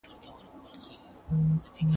پښتورګي د انسان بدن ته حیاتي غړي دي.